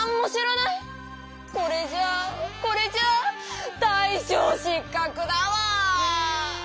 これじゃあこれじゃあ大しょう失かくだわ！